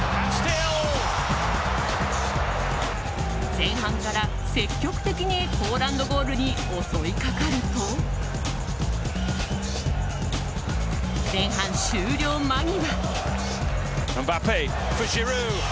前半から積極的にポーランドゴールに襲いかかると前半終了間際。